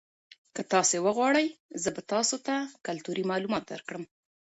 که تاسي وغواړئ زه به تاسو ته کلتوري معلومات درکړم.